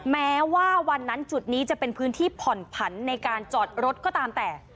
แม้ว่าวันนั้นจุดนี้จะเป็นพื้นที่ผ่อนผันในการจอดรถก็ตามแต่